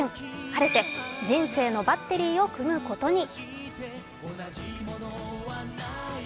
晴れて人生のバッテリーを組むことに。